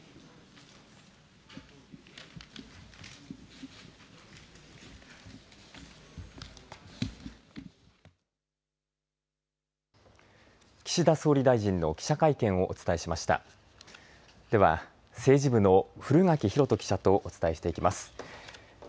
では、政治部の古垣弘人記者とお伝えしていきます。